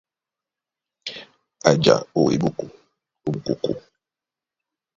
A ja ó eɓóko ó mukókó.